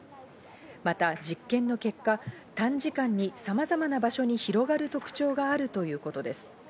また実験の結果、短時間にさまざまな場所に広がる特徴があるということです。